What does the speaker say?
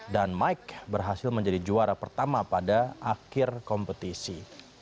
dan mike berhasil menjadi juara pertama pada akhir kompetisi